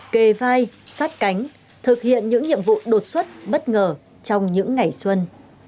kề vai sát cánh thực hiện những nhiệm vụ đột xuất bất ngờ trong những ngày xuân